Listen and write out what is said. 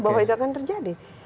bahwa itu akan terjadi